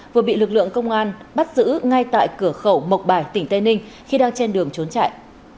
vừa bị lực lượng công an bắt giữ ngay tại cửa khẩu mộc bài tỉnh tây ninh khi đang trên đường trốn chạy